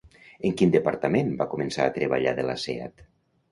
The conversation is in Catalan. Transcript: En quin departament va començar a treballar de la Seat?